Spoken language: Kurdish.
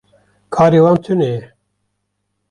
Karê wan tune ye.